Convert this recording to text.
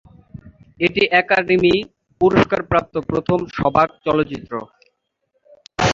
এটি একাডেমি পুরস্কার প্রাপ্ত প্রথম সবাক চলচ্চিত্র।